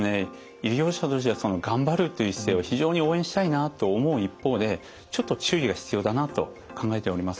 医療者としては頑張るという姿勢は非常に応援したいなと思う一方でちょっと注意が必要だなと考えております。